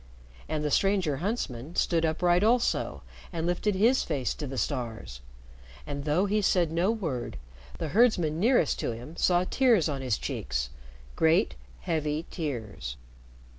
And the stranger huntsman stood upright also and lifted his face to the stars. And, though he said no word, the herdsman nearest to him saw tears on his cheeks great, heavy tears.